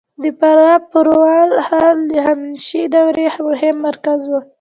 د فراه د فارول ښار د هخامنشي دورې مهم مرکز و